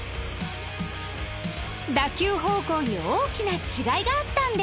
打球方向に大きな違いがあったんです